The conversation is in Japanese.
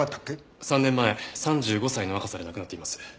３年前３５歳の若さで亡くなっています。